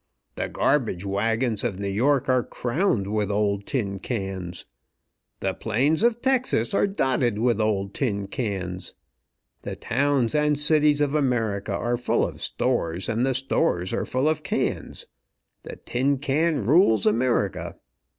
"The gar bage wagons of New York are crowned with old tin cans. The plains of Texas are dotted with old tin cans. The towns and cities of America are full of stores, and the stores are full of cans. The tin can rules America!